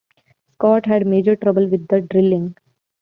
Scott had major trouble with the drilling.